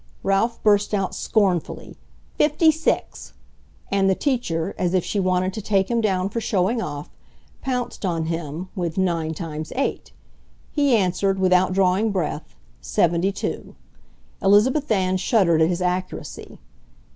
Ralph burst out scornfully, "56!" and the teacher, as if she wanted to take him down for showing off, pounced on him with 9 x 8. He answered, without drawing breath, 72. Elizabeth Ann shuddered at his accuracy.